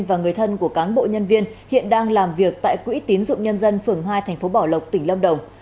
và người thân của cán bộ nhân viên hiện đang làm việc tại quỹ tín dụng nhân dân phường hai thành phố bảo lộc tỉnh lâm đồng